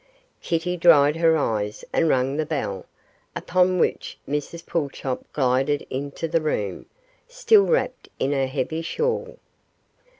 Kitty dried her eyes and rang the bell, upon which Mrs Pulchop glided into the room, still wrapped in her heavy shawl.